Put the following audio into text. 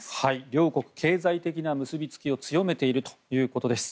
両国経済的な結びつきを強めているということです。